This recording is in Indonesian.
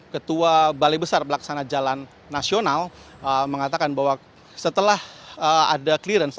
ketua balai besar pelaksana jalan nasional mengatakan bahwa setelah ada clearance